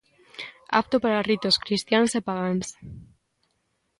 Apto para ritos cristiáns e pagáns.